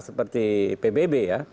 seperti pbb ya